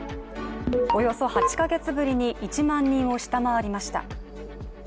およそ８か月ぶりに１万人を下回りました。